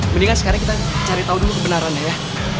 mendingan sekarang kita cari tau dulu kebenaran ya